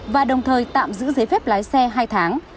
và đồng thời tạm giữ giấy phép lái xe hai tháng